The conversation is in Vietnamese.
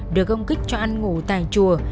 được gông kích cho ăn ngủ tại chùa